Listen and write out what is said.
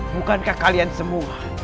bukankah kalian semua